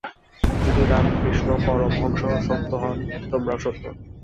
যদি রামকৃষ্ণ পরমহংস সত্য হন, তোমরাও সত্য।